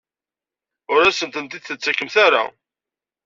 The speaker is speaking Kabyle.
Ur asen-tent-id-tettakemt ara?